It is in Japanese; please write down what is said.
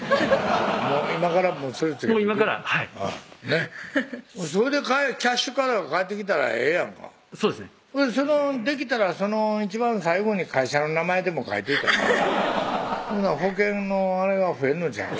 もう今からそれ着けて今からはいそれでキャッシュカードが返ってきたらええやんかそうですねできたら一番最後に会社の名前でも書いといたらほな保険のあれが増えんのちゃう？